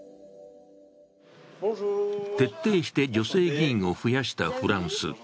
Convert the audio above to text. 徹底して女性議員を増やしたフランス。